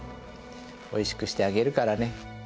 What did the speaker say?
おいしくしてあげるからね。